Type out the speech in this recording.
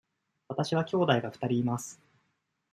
わたしは兄弟が二人います。